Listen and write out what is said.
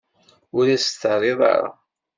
Ur as-d-terri ara.